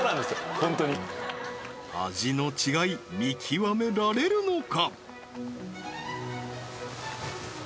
本当に味の違い見極められるのか？